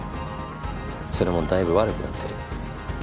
それもだいぶ悪くなってる。